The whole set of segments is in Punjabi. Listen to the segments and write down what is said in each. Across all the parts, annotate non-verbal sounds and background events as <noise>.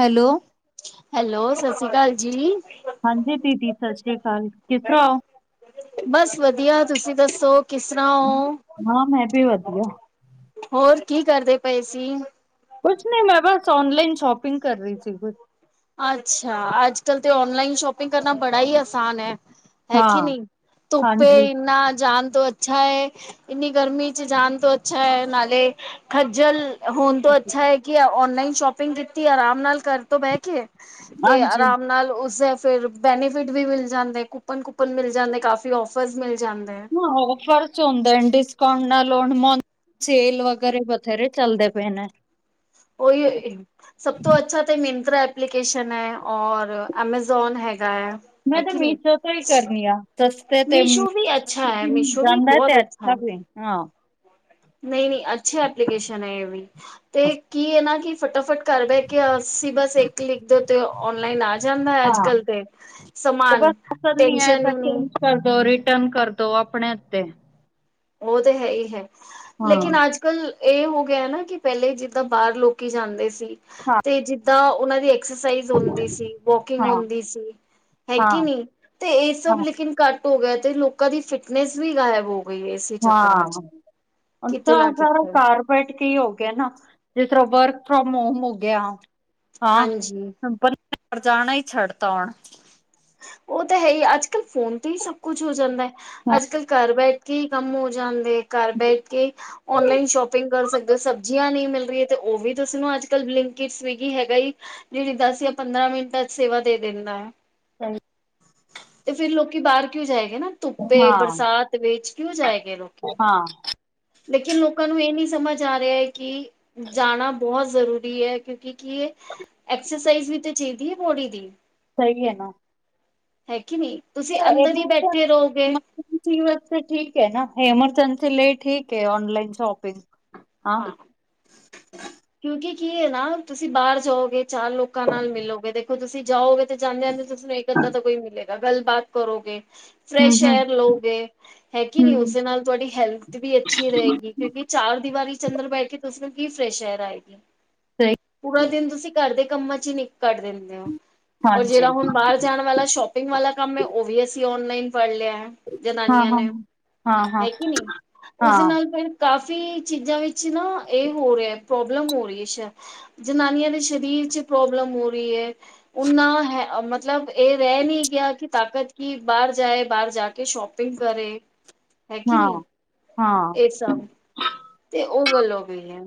ਹੈਲੋ ਹੈਲੋ ਸਤਿ ਸ੍ਰੀ ਅਕਾਲ ਜੀ, ਹਾਂਜੀ ਦੀਦੀ ਸਤਿ ਸ੍ਰੀ ਅਕਾਲ, ਕਿਸ ਤਰ੍ਹਾਂ ਔ? ਬਸ ਵਧੀਆ ਤੁਸੀਂ ਦੱਸੋ? ਕਿਸ ਤਰ੍ਹਾਂ ਹੋ ਹਾਂ ਮੈਂ ਵੀ ਵਧੀਆ, ਹੋਰ ਕੀ ਕਰਦੇ ਪਏ ਸੀ? ਕੁਛ ਨੀ ਮੈਂ ਬਸ ਔਨਲਾਈਨ ਸ਼ੋਪਿੰਗ ਕਰ ਰਹੀ ਸੀ ਕੁਛ ਅੱਛਾ, ਅੱਜ ਕਲ ਤੇ ਔਨਲਾਈਨ ਸ਼ੋਪਿੰਗ ਕਰਨਾ ਬੜਾ ਹੀ ਆਸਾਨ ਹੈ। ਹੈ ਕਿ ਹਾਂ ਨਹੀਂ ਧੁੱਪੇ ਹਾਂਜੀ ਇੰਨਾ ਜਾਨ ਤੋਂ ਅੱਛਾ ਹੈ ਇੰਨੀ ਗਰਮੀ ਚ ਜਾਣ ਤੋਂ ਅੱਛਾ ਹੈ ਨਾਲੇ ਖੱਜਲ, ਹੁਣ ਤੋਂ ਅੱਛਾ ਹੈ ਕਿ ਔਨਲਾਈਨ ਸ਼ੋਪਿੰਗ ਕੀਤੀ ਆਰਾਮ ਨਾਲ ਕਰ ਤੋਂ ਬਹਿ ਕੇ, ਤੇ ਹਾਂਜੀ ਆਰਾਮ ਨਾਲ ਉਸਦਾ ਫਿਰ ਬੈਨੀਫਿਟ ਵੀ ਮਿਲ ਜਾਂਦੇ, ਮਿਲ ਜਾਂਦੇ ਕਾਫੀ ਔਫਰਸ ਮਿਲ ਜਾਂਦੇ ਹੈ। ਕ ਲੋ ਸੇਲ ਵਗੈਰੇ ਬਥੇਰੇ ਚੱਲਦੇ ਪਏ ਨੇ, ਉਹੀ ਸਭ ਤੋਂ ਅੱਛਾ ਤੇ ਮੇਨ, ਐਪਲੀਕੇਸ਼ਨ ਹੈ ਔ ਐਮਜ਼ੋਨ ਹੈ। ਹੈ ਮੈਂ ਤੇ ਕਿ ਨਹੀਂ ਮੀਸ਼ੋ ਤੋਂ ਹੀ ਕਰਨੀ ਆ ਸਸਤੇ ਤੇ ਮੀਸ਼ੋ ਵੀ ਅੱਛਾ ਹੈ ਮੀਸ਼ੋ ਵੀ ਜਾਂਦਾ ਤੇ, ਅੱਛਾ ਵੀ ਹਾਂ, ਨਹੀਂ-ਨਹੀਂ ਅੱਛੀ ਐਪਲੀਕੇਸ਼ਨ ਹੈ ਇਹ ਵੀ ਤੇ ਕੀ ਇਹ ਨਾ ਕਿ ਫਟਾਫਟ ਘਰ ਬਹਿ ਕੇ ਅਸੀਂ ਬਸ ਇੱਕ ਲਿਖਦੇ ਹੋ ਤੇ ਔਨਲਾਈਨ ਆ ਜਾਂਦਾ ਹੈ ਅੱਜ ਹਾਂ ਕੱਲ ਤੇ ਤੇ ਬਸ ਸਮਾਨ, ਪਸੰਦ ਨਹੀਂ ਆਇਆ ਟੈੈਂਨਸ਼ਨ ਤਾਂ ਹੋਈ ਨੀ, ਚੇਂਜ ਕਰ ਦੋ ਕਰ ਦੋ ਆਪਣੇ ਹੱਥ ਤੇ। ਉਹ ਤੇ ਹੈ ਹੀ ਹੈ ਲੇਕਿਨ ਅੱਜ ਕੱਲ, ਇਹ ਹੋ ਗਿਆ ਨਾ ਕਿ ਪਹਿਲੇ ਜਿੱਦਾਂ ਬਾਹਰ ਲੋਕੀ ਜਾਂਦੇ ਸੀ ਹਾਂ ਤੇ ਜਿੱਦਾਂ ਉਹਨਾਂ ਦੀ ਐਕਸਾਈਜ਼ ਹੁੰਦੀ ਸੀ ਵੋਕਿੰਗ ਹਾਂ ਹੁੰਦੀ ਸੀ ਹੈਗੀ ਨੀ ਤੇ ਇਹ ਸਭ ਹਾਂ ਲੇਕਿਨ ਘੱਟ, ਹੋ ਗਿਆ ਤੇ ਲੋਕਾਂ ਦੀ ਫਿਟਨੈਸ ਵੀ ਗਾਇਬ ਹੋ ਗਈ ਹੈ। ਇਸੇ ਚੱਕਰਾਂ ਚ ਹਾਂ, ਕਿਤੇ ਤਾਂ ਨਾ ਸਾਰਾ ਕਿਤੇ ਕਾਰਪੇਟ ਕੀ ਹੀ ਹੋ ਗਿਆ ਨਾ, ਜਿਸ ਤਰ੍ਹਾਂ ਵਰਕ ਫਰੋਮ ਹੋਮ ਹੋ ਗਿਆ ਹਾਂ ਹਾਂਜੀ। ਸਿੰਪਲ, ਰ ਜਾਣਾ ਛੱਡਤਾ ਹੁਣ, ਉਹ ਤਾਂ ਹੈ ਹੀ ਅੱਜ-ਕੱਲ ਫੋਨ ਤੇ ਹੀ ਸਭ ਕੁਛ ਹੋ ਜਾਂਦਾ ਹੈ ਅੱਜ-ਕੱਲ੍ਹ ਘਰ ਬੈਠੇ, ਕੇ ਕੰਮ ਹੋ ਜਾਂਦੇ ਘਰ ਬੈਠ ਕੇ ਔਨਲਾਈਨ ਸ਼ੋਪਿੰਗ ਕਰ ਸਕਦੇ ਹੋ ਸਬਜ਼ੀਆਂ ਨਹੀਂ ਮਿਲ। ਤੇ ਉਹ ਵੀ ਤੁਸੀਂ ਨੂੰ ਅੱਜ-ਕੱਲ੍ਹ ਬਿੰਕਟ ਸਵਗੀ ਹੈਗਾ ਜਿਹੜੀ ਦਸ ਜਾਂ ਪੰਦਰਾਂ ਮਿੰਟਾਂ ਚ ਸੇਵਾ ਦੇ ਦੇ, ਕਿੰਦਾ ਹੈ। ਹਾਂ, ਤੇ ਫਿਰ ਲੋਕੀ ਬਾਹਰ ਕਿਉਂ ਜਾਏ ਗੇ ਨਾ ਧੁੱਪੇ ਬਰਸਾਤ ਵੇਚ ਕਿਉਂ ਜਾਏਗਾ ਲੋਕੀ। ਹਾਂ ਲੇਕਿਨ ਲੋਕਾਂ ਨੂੰ ਇਹ ਨ ਸਮਝ ਆ ਰਿਹਾ ਹੈ ਕਿ ਜਾਣਾ ਬਹੁਤ ਜ਼ਰੂਰੀ ਹੈ ਕਿਉਂਕਿ, ਕੀ ਐਕਸਰਸਾਈਜ਼ ਵੀ ਤੇ ਚਾਹੀਦੀ ਹੈ ਬੋਡੀ ਦੀ, ਸਹੀ ਹੈ ਨਾ, ਹੈ, ਕਿ ਨਹੀਂ ਤੁਸੀਂ ਅੰਦਰ ਹੀ ਬੈਠੇ ਰਹੋਗੇ ਇਹਨਾਂ ਵਸ ਠੀਕ ਹੈ ਨਾ, ਐਮਰਜੰਸੀ ਲਈ ਠੀਕ ਐ ਔਨਲਾਈਨ ਸ਼ੋਪਿੰਗ। ਹਾਂ, ਕਿਉਂਕਿ ਕੀ ਐ ਨਾ ਤੁਸੀਂ ਬਾਹਰ ਜਾਓਗੇ, ਚਾਰ ਲੋਕਾਂ ਨਾਲ ਮਿਲੋਗੇ, ਦੇਖੋ ਤੁਸੀਂ ਜਾਓਗੇ। ਜਾਂਦੇ-ਜਾਂਦੇ ਤੁਹਾਨੂੰ ਇੱਕ ਅੱਧਾ ਤਾਂ ਕੋਈ ਮਿਲੇਗਾ, ਗੱਲਬਾਤ ਕਰੋਗੇ, ਫਰੈਸ਼ ਏਅਰ ਲਓਗੇ। ਹੈ ਕਿ ਨਈਂ, ਉਸਦੇ ਨਾਲ ਤੁਹਾਡੀ ਹੈਲਥ ਵੀ ਅੱਛੀ ਰਹੇਗੀ, ਕਿਉਂਕਿ ਚਾਰ ਦੀਵਾਰੀ ਚੰਦਰ ਬੈਠ ਕੇ ਤੁਸੀ ਨੂੰ ਕੀ ਫਰੈਸ਼ ਏਅਰ ਆਏਗੀ ਪੂਰਾ ਦਿਨ ਤੁਸੀਂ ਘਰ ਦੇ ਕੰਮਾਂ ਚ ਈ ਨਿ ਕੱਟ ਦਿੰਦੇ ਹੋ, ਔਰ ਜਿਹੜਾ ਹੁਣ ਬਾਹਰ ਜਾਣ ਵਾਲਾ ਸ਼ੋਪਿੰਗ ਵਾਲਾ ਕੰਮ ਐ ਵੀ ਅਸੀ ਹੁਣ ਔਨਲਾਈਨ ਫੜ ਲਿਆ। ਜਨਾਨੀਆਂ ਨੇ, ਹੈ ਕਿ ਨਈਂ ਉਸਦੇ ਨਾਲ ਫਿਰ ਕਾਫ਼ੀ ਚੀਜ਼ਾਂ ਵਿੱਚ ਨਾ, ਇਹ ਹੋ ਰਿਹਾ ਪ੍ਰੋਬਲਮ ਹੋ ਰਹੀ ਐ ਜਨਾਨੀਆਂ ਦੇ ਸਰੀਰ ਚ ਪ੍ਰੋਬਲਮ ਹੋ ਰਹੀ ਐ, ਉਹਨਾ ਹੈ ਮਤਲਬ ਇਹ ਰਹਿ ਨਹੀਂ ਗਿਆ ਕਿ ਤਾਕਤ ਕਿ ਬਾਹਰ ਜਾਏ, ਬਾਹਰ ਜਾ ਕੇ ਸ਼ੋਪਿੰਗ ਕਰੇ। ਹੈ ਕਿ ਨਹੀਂ, ਇਹ ਸਭ। ਤੇ ਉਹ ਗੱਲ ਹੋ ਗਈ ਐ।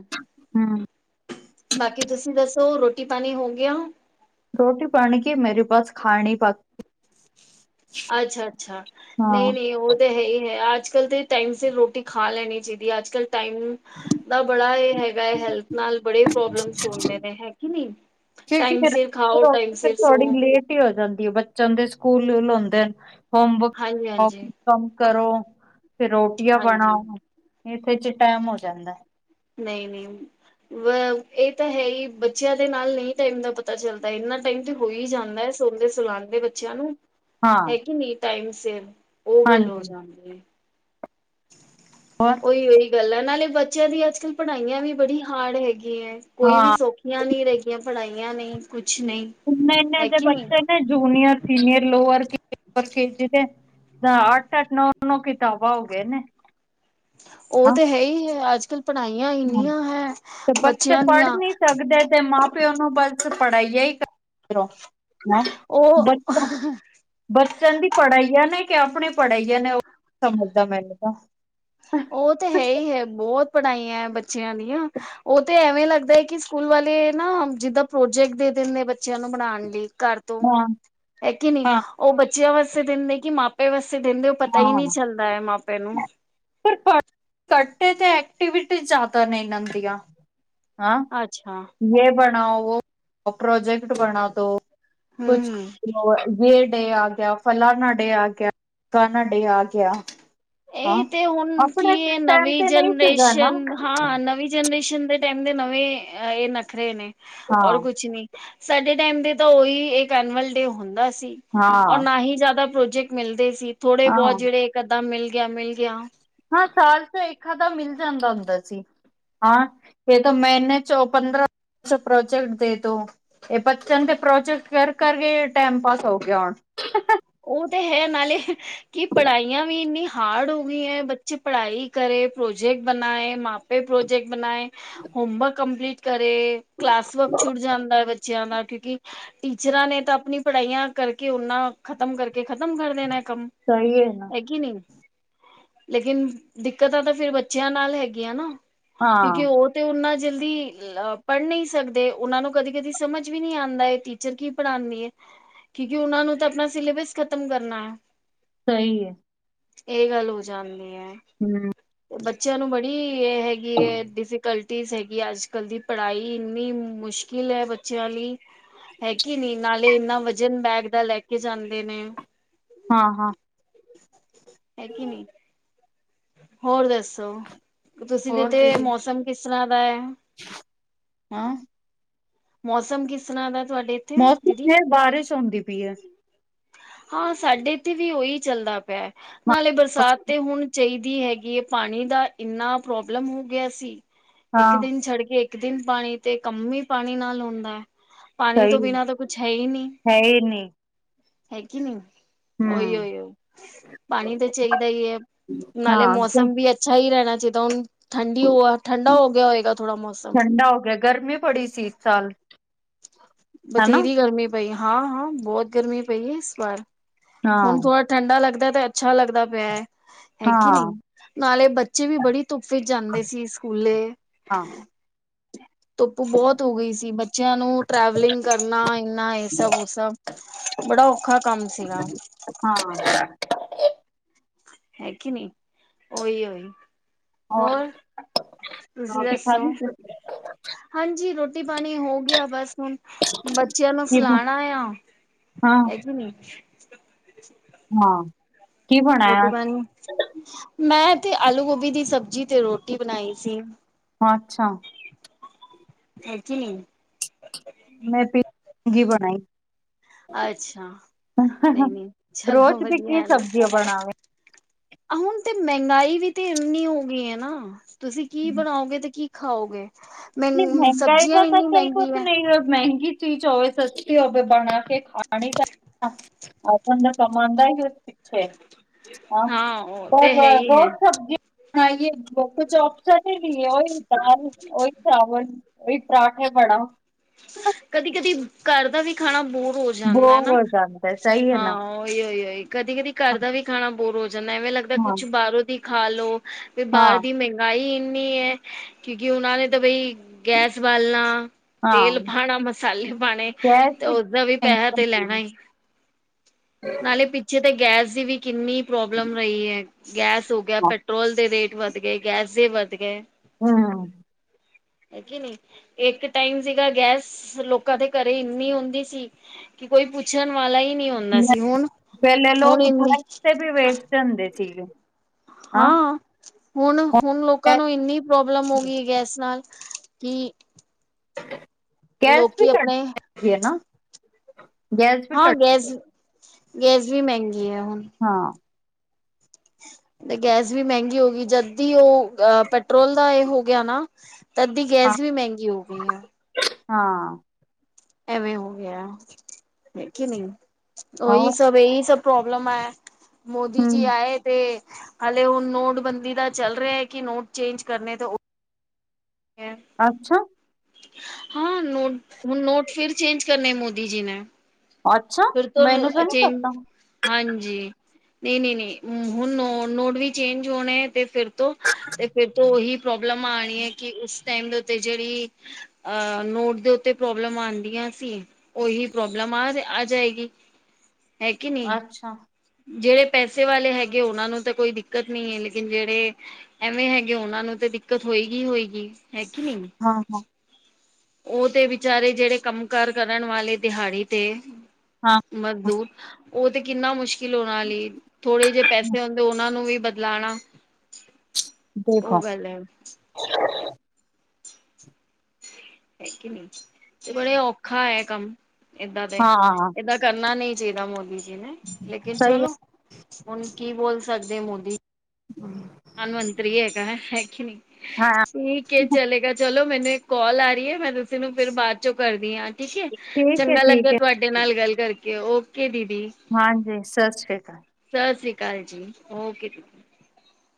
ਬਾਕੀ ਤੁਸੀਂ ਦੱਸੋ ਰੋਟੀ ਪਾਣੀ ਹੋ ਗਿਆ? ਰੋਟੀ ਪਾਣੀ ਕੇ ਮੇਰੇ ਪਾਸ ਖਾ ਨਈਂ ਪਾਕ ਅੱਛਾ-ਅੱਛਾ, ਨਈਂ, ਨਈਂ ਉਹ ਤਾਂ ਹੈ ਈ ਅੱਜ ਕੱਲ ਤੇ ਟਾਈਮ ਸਿਰ ਰੋਟੀ ਖਾ ਲੈਣੀ ਚਾਹੀਦੀ ਐ। ਅੱਜ ਕੱਲ ਟਾਈਮ ਦਾ ਬੜਾ ਏ ਹੈਲਥ ਨਾਲ ਬੜੇ ਪ੍ਰੋਬਲਮਸ ਹੁੰਦੇ ਨੇਂ, ਹੈ ਕਿ ਨਈਂ। ਕਿਉਂਕਿ ਫੇਰ ਥੋੜੀ ਲੇਟ ਹੀ ਹੋ ਜਾਂਦੀ ਐ, ਬੱਚਿਆਂ ਦੇ ਸਕੂਲ ਲਓ ਦ ਆ, ਹੋਮਵਰਕ, ਹਾਂਜੀ-ਹਾਂਜੀ, ਕੰਮ ਕਰੋ, ਫ਼ਿਰ ਰੋਟੀਆਂ ਹਾਂਜੀ, ਬਣਾਓ। ਇੱਥੇ ਚ ਟੈਮ ਹੋ ਜਾਂਦਾ। ਨਈਂ ਨਈਂ। ਵ ਇਹ ਤਾਂ ਹੈ ਈ, ਬੱਚਿਆਂ ਦੇ ਨਾਲ ਨਹੀਂ ਟਾਈਮ ਦਾ ਪਤਾ ਚੱਲਦਾ, ਇੰਨਾ ਟਾਈਮ ਤੇ ਹੋ ਈ ਜਾਂਦਾ ਐ। ਸੁਣਦੇ ਸੁਲਾਉਂਦੇ ਬੱਚਿਆਂ ਨੂੰ। ਹਾਂ ਹੈਗੀ ਨੀਂ ਟਾਈਮ ਸਿਰ, ਉਹ ਗੱਲ ਹੋ ਹਾਂਜੀ ਜਾਂਦੀ ਏ। ਹੋਰ ਉਹੀ- ਉਹੀ ਗੱਲ ਆ, ਨਾਲੇ ਬੱਚਿਆਂ ਦੀ ਅੱਜ ਕੱਲ੍ਹ ਪੜ੍ਹਾਈਆਂ ਵੀ ਬੜੀ ਹਾਰਡ ਹੈਗੀ ਐ, ਕੋਈ ਵੀ ਹਾਂ ਸੌਖੀਆਂ ਨੀ ਰਹਿਗੀਆਂ, ਪੜਾਈਆਂ ਨਹੀਂ ਕੁਝ ਇਨਾ-ਇਨਾ ਬੱਚੇ ਨੇ ਜੂਨੀਅਰ, ਸੀਨੀਅਰ, ਲੋਅਰ ਕੇ ਦੇ <unintelligible> ਅੱਠ-ਅੱਠ, ਨੌ-ਨੌ ਕਿਤਾਬਾਂ ਹੋ ਗਏ ਨੇ। ਉਹ ਤੇ ਹੈ ਈ ਐ ਅੱਜ ਹੂੰ ਤੇ ਬੱਚੇ ਬੱਚਿਆਂ ਦੀਆਂ ਪੜ੍ਹ ਨੀ ਸਕਦੇ ਤੇ ਮਾਂ ਪਿਓ ਨੂੰ ਬ ਪੜ੍ਹਾਈਆ ਈ ਕ ਹੈ, ਉਹ ਬੱਚਿਆ-ਬੱਚਿਆਂ ਦੀ ਪੜ੍ਹਾਈ ਆ ਨੇਂ ਈ ਆਪਣੀ ਪੜ੍ਹਾਈਆਂ ਨੇ, ਉਹ ਸਮਝਦਾ ਮੈਨੂੰ ਤਾਂ। ਉਹ ਤੇ ਹੈ ਈ ਹੈ, ਬਹੁਤ ਪੜ੍ਹਾਈਆਂ ਬੱਚਿਆਂ ਦੀਆਂ, ਉਹ ਤੇ ਐਵੇਂ ਲੱਗਦਾ ਐ ਕਿ ਸਕੂਲ ਵਾਲੇ ਨਾਂ ਜਿੱਦਾਂ ਪ੍ਰੋਜੈਕਟ ਦੇ ਦਿਨ ਨੇਂ ਬੱਚਿਆਂ ਨੂੰ ਬਨਾਉਣ ਲਈ। ਘਰ ਤੋਂ। ਹਾਂ ਹੈ ਕਿ ਨਈਂ ਹਾਂ ਉਹ ਬੱਚਿਆਂ ਵਾਸਤੇ ਦਿੰਦੇ ਕਿ ਮਾਪੇ ਵਾਸਤੇ ਪੈਸੇ ਦਿੰਦੇ ਓ ਪਤਾ ਈ ਨੀਂ ਹਾਂ ਚੱਲਦਾ ਐ ਮਾਪਿਆਂ ਨੂੰ। ਕਰਟੇ ਤੇ ਐਕਟੀਵਿਟੀ ਜ਼ਿਆਦਾ ਨਈ ਲੈਂਦੀਆਂ। ਹਾਂ। ਅੱਛਾ ਯੇ ਬਣਾਓ, ਵੋ ਪ੍ਰੋਜੈਕਟ ਬਣਾ ਦੋ ਕੁਛ ਹਮ ਯੇ ਡੇ ਆ ਗਿਆ, ਫਲਾਨਾ ਡੇ ਆ ਗਿਆ। ਕਾਨਾ ਡੇ ਆ ਗਿਆ। ਇਹ ਤੇ ਹੁਣ ਕੀ ਇਹ ਨਵੀਂ ਤੇ ਨਹੀਂ ਸੀਗਾ ਨਾ ਜਨਰੇਸ਼ਨ, ਹਾਂ ਨਵੀਂ ਜਨਰੇਸ਼ਨ ਸ਼ਨ ਦੇ ਟਾਈਮ ਦੇ ਨਵੇਂ ਇਹ ਨਖਰੇ ਨੇਂ, ਔਰ ਹਾਂ ਕੁਛ ਨੀਂ। ਸਾਡੇ ਟਾਈਮ ਦੇ ਤਾਂ ਉਹੀ ਇੱਕ ਐਨੂਅਲ ਡੇ ਹੁੰਦਾ ਸੀ। ਔਰ ਹਾਂ ਨਾਂ ਹੀ ਜ਼ਿਆਦਾ ਪ੍ਰੋ ਮਿਲਦੇ ਸੀ, ਥੋੜੇ ਹਾਂ ਬਹੁਤ ਜਿਹੜੇ ਇੱਕ ਅੱਧਾ ਮਿਲ ਗਿਆ, ਮਿਲ ਗਿਆ। ਹਾਂ ਸਾਲ਼ ਚ ਇੱਕ ਅੱਧਾ ਮਿਲ ਜਾਂਦਾ ਹੁੰਦਾ ਸੀ। ਹਾਂ ਇਹ ਤਾਂ ਮੈਨੇ ਚੌ ਪੰਦਰਾਂ ਅੱਛਾ ਪ੍ਰੋਜੈਕਟ ਦੇ ਦੋ, ਇਹ ਬੱਚਨ ਦੇ ਪ੍ਰੋਜੈਕਟ ਕਰ ਕਰਕੇ ਟਾਈਮ ਪਾਸ ਹੋ ਗਿਆ ਹੁਣ। <unintelligible> ਉਹ ਤੇ ਹੈ ਨਾਲੇ ਕਿ ਪੜ੍ਹਾਈਆਂ ਵੀ ਇੰਨੀ ਹਾਰਡ ਹੋ ਗਈਆਂ ਬੱਚੇ ਪੜ੍ਹਾਈ ਕਰੇ ਪ੍ਰੋਜੈਕਟ ਬਣਾਏ ਮਾਪੇ ਪ੍ਰੋਜੈਕਟ ਬਣਾਏ ਹੋਮਵਰਕ ਕੰਪਲੀਟ ਤੇ ਕਲਾਸ ਵਰਕ ਛੁੱਟ ਜਾਂਦਾ ਏ ਬੱਚਿਆਂ ਨਾਲ ਕਿਉਂਕਿ ਟੀਚਰਾਂ ਨੇਂ ਤਾਂ ਆਪਣੀ ਪੜ੍ਹਾਈਆਂ ਕਰਕੇ ਓਨਾਂ ਖ਼ਤਮ ਕਰਕੇ ਖ਼ਤਮ ਕਰ ਦੇਣਾ। ਕੰਮ ਹੈਗੀ ਨੀਂ। ਲੇਕਿਨ ਦਿੱਕਤਾਂ ਤਾਂ ਫਿਰ ਬੱਚਿਆਂ ਨਾਲ ਹੈਗੀਆਂ ਨਾਂ। ਕਿਉਂਕਿ ਉਹ ਤੇ ਉਹਨਾਂ ਜਲਦੀ ਪੜ੍ਹ ਨਈਂ ਸਕਦੇ ਉਹਨਾ ਨੂੰ ਕਦੀ-ਕਦੀ ਸਮਝ ਵੀ ਨਈਂ ਆਂਦਾ ਏ ਟੀਚਰ ਕੀ ਪੜ੍ਹਾਂਦੀ ਐ। ਕਿਉਂਕਿ ਉਹਨਾ ਨੂੰ ਤਾਂ ਆਪਣਾ ਸਿਲੇਬਸ ਖਤਮ ਕਰਨਾ ਹੈ। ਸਹੀ ਐ। ਇਹ ਗੱਲ ਹੋ ਜਾਂਣਦੀ ਹੈ ਤੇ ਬੱਚਿਆਂ ਨੂੰ ਬੜੀ ਇਹ ਹੈਗੀ ਹੈ ਡਿਫੀਕਲਟ ਜ਼ ਹੈਗੀ ਅੱਜ ਕੱਲ੍ਹ ਦੀ ਪੜ੍ਹਾਈ ਇੰਨੀ ਮੁਸ਼ਕਿਲ ਐ ਬੱਚਿਆਂ ਲਈ। ਹੈਗੀ ਨੀਂ ਨਾਲੇ ਇੰਨਾ ਵਜ਼ਨ ਬੈਗ ਦਾ ਲੈ ਕੇ ਜਾਂਦੇ ਨੇਂ। ਹਾਂ ਹਾਂ। ਹੈਗੀ ਨੀ ਹੋਰ ਦੱਸੋ? ਤੁਸੀਂ ਦੇ ਤੇ ਮੌਸਮ ਕਿਸ ਸਰਾ ਦਾ ਹੈ ਹੈਂ, ਮੌਸਮ ਕਿਸ ਤਰ੍ਹਾਂ ਦਾ? ਤੁਹਾਡੇ ਇੱਥੇ ਮੌਸਮ ਦੀਦੀ ਫਿਰ ਬਾਰਿਸ਼ ਆਉਂਦੀ ਪਈ ਹੈ, ਹਾਂ ਸਾਡੇ ਤੇ ਵੀ ਉਹੀ ਚੱਲਦਾ ਪਿਆ ਨਾਲੇ ਬਰਸਾਤ ਤੇ ਹੁਣ ਚਾਹੀਦੀ। ਦੀ ਹੈਗੀ ਹੈ ਪਾਣੀ ਦਾ ਇੰਨਾ ਪ੍ਰੋਬਲਮ ਹੋ ਗਿਆ ਸੀ ਇੱਕ ਦਿਨ ਛੱਡ ਕੇ, ਇੱਕ ਦਿਨ ਪਾਣੀ ਤੇ ਕੰਮ ਹੀ ਪਾਣੀ ਨਾਲ ਹੁੰਦਾ ਹੈ। ਪਾਣੀ ਤੋਂ ਬਿਨਾ ਤਾਂ ਕੁੱਛ ਹੈ ਹੀ ਨੀ ਹੈ ਕੀ ਨਹੀਂ, ਉਹੀ-ਉਹੀ ਪਾਣੀ ਤਾਂ ਚਾਹੀਦਾ ਹੀ ਹੈ, ਨਾਲੇ ਮੌਸਮ ਵੀ ਅੱਛਾ ਹੀ ਰਹਿਣਾ। ਜਿੱਦਾਂ ਹੁਣ ਠੰਡੀ ਹੋ ਠੰਡਾ ਹੋ ਗਿਆ ਹੋਏਗਾ ਥੋੜਾ ਮੌਸਮ ਗਰਮੀ ਪੜੀ ਸੀ ਇੱਕ ਸਾਲ ਬਥੇਰੀ ਗਰਮੀ ਪਈ ਹਾਂ ਹਾਂ ਬਹੁਤ ਗਰਮੀ ਪਈ ਐ ਇਸ ਵਾਰ ਹੁਣ ਥੋੜਾ ਠੰਡਾ ਲੱਗਦਾ ਤੇ ਅੱਛਾ ਲੱਗਦਾ ਪਿਆ ਐ ਹੈਗੀ ਨੀਂ ਨਾਲੇ ਬੱਚੇ ਵੀ ਬੜੀ ਧੁੱਫੇ ਜਾਂਦੇ ਸੀ ਸਕੂਲੇ ਧੁੱਪ ਬਹੁਤ ਹੋ ਗਈ ਸੀ ਬੱਚਿਆਂ ਨੂੰ ਟੈ ਬਿਲੀਂਗ ਕਰਨਾ ਇਨਾ ਇਹ ਸਬ-ਸਬ ਬੜਾ ਔਖਾ ਕੰਮ ਸੀਗਾ। ਹਾਂ, ਹੈ ਕਿ ਨਹੀਂ ਉਹੀ-ਉਹੀ ਹੋਰ ਤੁਸੀਂ ਦੱਸੋ? ਹਾਂਜੀ ਰੋਟੀ ਰੋਟੀ ਪਾਣੀ ਹੋ ਗਿਆ ਬੱਸ ਹੁਣ ਬੱਚਿਆਂ ਨੂੰ ਸੁਲਾਣਾਂ ਆ ਹੇ ਕੀ ਨਹੀਂ, ਹਾਂ, ਰੋਟੀ ਪਾਣੀ ਮੈਂ ਤੇੇ ਆਲੂ ਗੋਭੀ ਦੀ ਸਬਜ਼ੀ ਤੇ ਰੋਟੀ ਬਣਾਈ ਸੀ। ਅੱਛਾ, <unintelligible> ਮੈਂ ਮੈਗੀ ਬਣਾਈ। ਅੱਛਾ ਨਹੀਂ-ਨਹੀਂ ਚਲੋ ਰੋਜ਼ ਦੀ ਕੀ ਵਧੀਆ ਨਾ, ਸਬਜ਼ੀਆਂ ਬਣਾਵੇ ਹੁਣ ਤੇ, ਮਹਿੰਗਾਈ ਵੀ ਤੇ ਇੰਨੀ ਹੋ ਗਈ ਹੈ ਨਾ ਤੁਸੀਂ ਕੀ ਬਣਾਓਗੇ ਤੇ ਕੀ ਖਾਉਗੇ। ਨਹੀਂ ਮਹਿੰਗਾਈ ਦਾ ਤਾਂ ਕੱਲ ਕੁਛ ਹੈ ਨਹੀਂ ਮਹਿੰਗੀ ਚੀਜ਼ ਹੋ, ਸਸਤੀ ਹੋਵੇ ਬਣਾ ਕੇ ਖਾਣੀ ਕਰ, ਆਪਾਂ ਦਾ ਸਮਾਨ ਦਾ ਵਿਵਥਤ ਹੈ। ਹਾਂ ਉਹ ਤੇ ਹੈ ਹੀ ਹੈ ਹੋਰ ਸਬਜ਼ੀ, ਹਾਂ ਵੀ ਚੋਪਸ ਨ ਤਰਾਠ ਐ ਬੜਾ, ਕਦੀ-ਕਦੀ ਘਰ ਦਾ ਵੀ ਖਾਣਾ ਬਹੁਤ, ਬੋਰ ਹੋ ਜਾਦਾ, ਹਾਂ ਉਹੀ-ਉਹੀ-ਉਹੀ ਕਦੀ ਕਦੀ ਘਰ ਦਾ ਵੀ ਖਾਣਾ ਬੋਰ ਹੋ ਜਾਂਦਾ ਐਵੇਂ ਲੱਗਦਾ ਹਾਂ ਕੁਛ ਬਾਹਰੋਂ ਦੀ, ਖਾ ਲੋ ਵੀ ਬਾਹਰ ਹਾਂ ਦੀ ਮਹਿੰਗਾਈ ਇੰਨੀ ਹੈ ਕਿਉਂਕਿ ਉਹਨਾਂ ਨੇ ਤਾਂ ਬਈ, ਗੈਸ ਬਾਲਣਾ ਤੇਲ, ਹਾਂ ਖਾਣਾ ਮਸਾਲੇ ਪਾਣੇ ਗੈਸ ਤੇ ਉਸਦਾ ਵੀ ਥੈਂਕ ਪੈਸਾ ਤੇ ਲੈਣਾ। ਯੂ ਨਾਲੇ ਪਿੱਛੇ ਤਾਂ, ਗੈਸ ਦੀ ਵੀ ਕਿੰਨੀ ਪ੍ਰੋਬਲਮ ਰਹੀ ਹੈ ਗੈਸ ਹੋ ਗਿਆ ਪੈਟਰੋਲ ਦੇ ਰੇਟ, ਵੱਧ ਗਏ ਗੈਸੇ ਵੱਧ ਗਏ। ਹੂੰ, ਹੈਗੀ ਨੀ ਇੱਕ ਟਾਈਮ ਸੀਗਾ ਗੈਸ, ਲੋਕਾਂ ਦੇ ਘਰੇ ਇੰਨੀ ਹੁੰਦੀ ਸੀ ਕਿ ਕੋਈ ਪੁੱਛਣ ਵਾਲਾ ਹੀ, ਨ ਆਦਾ ਸੀ ਹੁਣ ਪਹਿਲੇ ਹੁਣ ਲੋਕ ਇਨੀ, ਪਲਸ ਤੇ ਵੀ ਵੇਚਦੇ ਹੁੰਦੇ ਸੀਗੇ ਹਾਂ ਹੁਣ-ਹੁਣ ਲੋਕਾਂ ਨੂੰ ਇੰਨੀ ਪ੍ਰੋਬਲਮ ਹੋ ਗਈ ਗੈਸ ਨਾਲ, ਤੇ, ਗੈਸ ਵੀ ਘੱਟ ਰੱਖੀ ਐ ਨਾ, ਗੈਸ ਵੀ ਹਾਂ ਘੱਟ, ਗੈਸ ਗੈਸ ਵੀ ਮਹਿੰਗੀ ਹੈ ਹੁਣ, ਹਾਂ ਤੇ ਗੈਸ ਵੀ ਮਹਿੰਗੀ ਹੋ ਗਈ ਜਦ ਕਿ ਉਹ ਅ ਪੈਟਰੋਲ ਦਾ ਇਹ ਹੋ ਗਿਆ ਨਾ, ਅੱਧੀ ਗੈਸ ਵੀ ਮਹਿੰਗੀ ਹੋ ਗਈ ਆ। ਹਾਂ, ਐਵੇਂ ਹੋ ਗਿਆ ਹੈ ਕਿ ਨਹੀਂ ਉਹੀ ਹੋਰ ਸਭ ਇਹੀ ਸਭ, ਪ੍ਰੋਬਲਮ ਹੈ ਮੋਦੀ ਜੀ ਹਮ ਆਏ ਤੇ, ਹਾਲੇ ਹੁਣ ਨੋਟਬੰਦੀ ਦਾ ਚੱਲ ਰਿਹਾ ਹੈ ਕਿ ਨੋਟ ਚੇਂਜ ਕਰਨੇ ਤੋਂ, ਅੱਛਾ, ਹਾਂ ਨੋਟ-ਨੋਟ ਫਿਰ ਚੇਂਜ ਕਰਨੇ ਮੋਦੀ ਜੀ ਨੇ? ਅੱਛਾ ਫਿਰ ਮੈਨੂੰ ਤੋਂ ਤਾਂ ਨਹੀਂ ਚੇਂਜ ਪਤਾ ਹਾਂਜੀ, ਨਹੀਂ-ਨਹੀਂ-ਨਹੀਂ ਹੁਣ ਨੋਟ ਵੀ ਚੇਂਜ ਹੋਣਾ ਹੈ ਤੇ ਫਿਰ ਤੋਂ ਤੇ ਫਿਰ ਤੋਂ ਉਹੀ ਪ੍ਰੋਬਲਮ ਆਣੀ ਹੈ ਕਿ ਉਸ ਟਾਈਮ ਦੇ ਉੱਤੇ ਜਿਹੜੀ ਅਹ ਨੋਟ ਦੇ ਉੱਤੇ ਪ੍ਰੋਬਲਮ ਆਦੀ ਹੈ। ਸੀ ਉਹੀ ਪ੍ਰੋਬਲਮ ਆ ਆ ਜਾਏਗੀ। ਹੈ ਕਿ ਨਹੀਂ ਅੱਛਾ, ਜਿਹੜੇ ਪੈਸੇ ਵਾਲੇ ਹੈਗੇ ਉਹਨਾਂ ਨੂੰ ਤਾਂ ਕੋਈ ਦਿੱਕਤ ਨਹੀਂ ਹੈ ਲੇਕਿਨ ਜਿਹੜੇ ਐਵੇਂ ਹੈਗੇ ਉਹਨਾਂ ਨੂੰ ਤਾਂ ਦਿੱਕਤ ਹੋਏਗੀ ਹੋਏਗੀ ਹੈਗੀ ਨਹੀਂ, ਹਾਂ ਹਾਂ ਉਹ ਤੇ ਵਿਚਾਰੇ ਜਿਹੜੇ ਕੰਮ ਕਾਰ ਕਰਨ ਵਾਲੇ ਦਿਹਾੜੀ ਤੇ, ਹਾਂ ਮਜ਼ਦੂਰ, ਉਹ ਤੇ ਕਿੰਨਾ ਮੁਸ਼ਕਿਲ ਉਹਨਾਂ ਲਈ ਥੋੜੇ ਜਿਹੇ ਪੈਸੇ ਹੁੰਦੇ ਉਹਨਾਂ ਨੂੰ ਵੀ ਬਦਲਾਣਾ। ਉਹ ਦੇਖੋ ਗੱਲ ਹੈ, ਹੈਗੀ ਨਹੀਂ ਤੇ ਬੜੇ ਔਖਾ ਹੈ ਕੰਮ ਏਦਾਂ ਤੇ ਹਾਂ ਏਦਾਂ ਕਰਨਾ ਨਹੀਂ। ਜੀਦਾ ਮੋਦੀ ਜੀ ਨੇ ਲੇਕਿਨ ਸਹੀ ਹੈ ਚਲੋ ਹੁਣ ਕੀ ਬੋਲ ਸਕਦੇ ਮੋਦੀ। ਪ੍ਰਧਾਨ ਮੰਤਰੀ ਹੈਗਾ ਹੈਗੀ ਨਹੀਂ ਹਾਂ ਠੀਕ ਹੈ ਚਲੇਗਾ ਚਲੋ। ਮੈਨੂੰ ਇੱਕ ਕਾਲ ਆ ਰਹੀ ਹੈ ਮੈਂ ਤੁਸੀਂ ਨੂੰ ਫਿਰ ਬਾਅਦ ਚੋਂ ਕਰਦੀ ਹਾਂ। ਠੀਕ ਏ ਠੀਕ ਹੈ ਚੰਗਾ ਲੱਗਾ ਠੀਕ ਹੈ ਤੁਹਾਡੇ ਨਾਲ ਗੱਲ ਕਰਕੇ ਓਕੇ ਦੀਪ ਹਾਂਜੀ ਸਤਿ ਸ਼੍ਰੀ ਕਾਲ, ਕਾਲ ਜੀ ਕੇ,